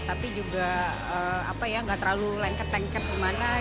tapi juga enggak terlalu lengket lengket kemana gitu